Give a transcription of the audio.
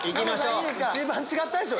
一番違ったでしょ？